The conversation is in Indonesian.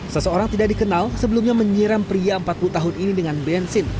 seseorang tidak dikenal sebelumnya menyiram pria empat puluh tahun ini dengan bensin